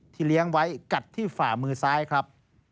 เลี้ยงไว้กัดที่ฝ่ามือซ้ายครับ